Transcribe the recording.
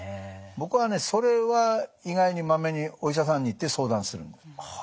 僕はねそれは意外にまめにお医者さんに行って相談するんです。